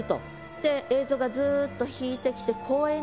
で映像がずっと引いてきてうん。